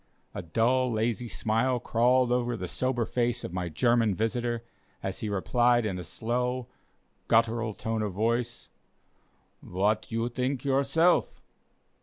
A dull, lazy smile crawled over the sober face of my German visitor, as he replied in a slow, guttural tone of voice: "What you think yourself?"